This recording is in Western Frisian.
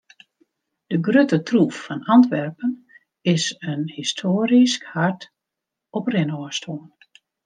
De grutte troef fan Antwerpen is in histoarysk hart op rinôfstân.